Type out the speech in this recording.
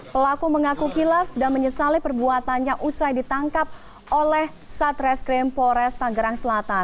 pelaku mengaku kilaf dan menyesali perbuatannya usai ditangkap oleh satreskrim polres tanggerang selatan